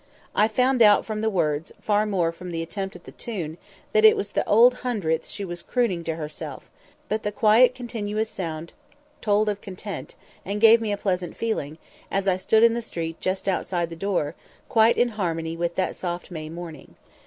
I found out from the words, far more than from the attempt at the tune, that it was the Old Hundredth she was crooning to herself; but the quiet continuous sound told of content, and gave me a pleasant feeling, as I stood in the street just outside the door, quite in harmony with that soft May morning.